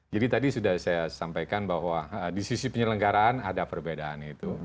jadi tadi sudah saya sampaikan bahwa di sisi penyelenggaraan ada perbedaan itu